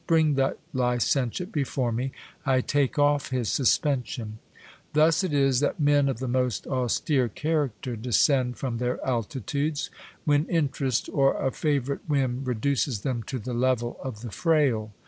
Bring that licentiate before me, I take off his suspension. Thus it is that men of the most austere character descend from their altitudes, THE ARCHBISHOP STRUCK WITH APOPLEXY. 233 when interest or a favourite whim reduces them to the level of the frail.